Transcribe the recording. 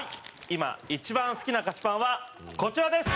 今一番好きな菓子パンはこちらです。